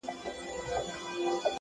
صبر د لوړو موخو تکیه ده,